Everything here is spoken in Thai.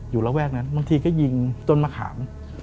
ระแวกนั้นบางทีก็ยิงต้นมะขาม